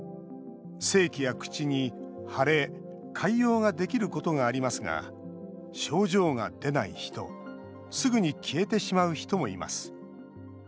性器や口に腫れ、潰瘍ができることがありますが症状が出ない人すぐに消えてしまう人もいます。